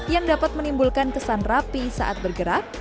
yang dapat menimbulkan kesan rapi saat bergerak